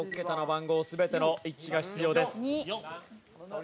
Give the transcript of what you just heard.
６桁の番号全ての一致が必要です。